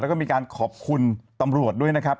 แล้วก็มีการขอบคุณตำรวจด้วยนะครับ